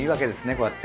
こうやって。